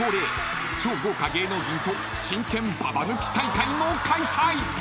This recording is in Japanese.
超豪華芸能人と真剣ババ抜き大会も開催］